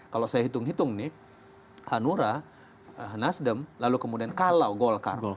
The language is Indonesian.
kalau saya hitung hitung nih hanura nasdem lalu kemudian kalau golkar